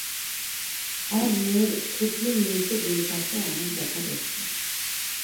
আমার মেয়ের থুতনির নিচে দুই পাশে অনেক ব্যথা করছে।